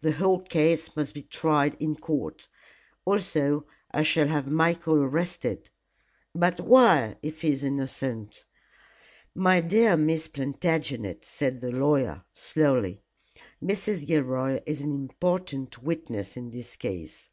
The whole case must be tried in court. Also I shall have Michael arrested." "But why, if he is innocent?" "My dear Miss Plantagenet," said the lawyer, slowly, "Mrs. Gilroy is an important witness in this case.